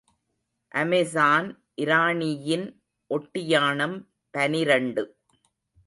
அமெசான் இராணியின் ஒட்டியாணம் பனிரண்டு .